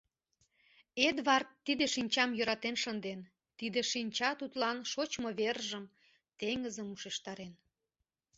Эдвард тиде шинчам йӧратен шынден, — тиде шинча тудлан шочмо вержым, теҥызым ушештарен.